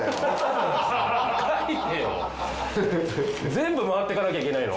全部回っていかなきゃいけないの？